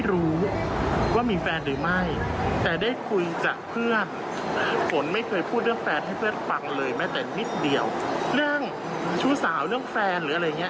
เราก็ดูแลผมมาตลอด๑๗ปี